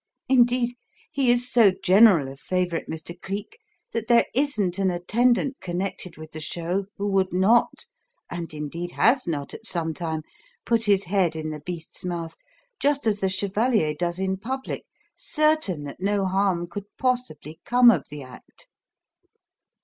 Indeed, he is so general a favourite, Mr. Cleek, that there isn't an attendant connected with the show who would not, and, indeed, has not at some time, put his head in the beast's mouth, just as the chevalier does in public, certain that no harm could possibly come of the act.